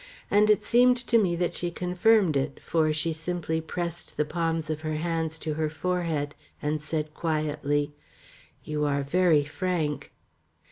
And it seemed to me that she confirmed it, for she simply pressed the palms of her hands to her forehead, and said quietly, "You are very frank."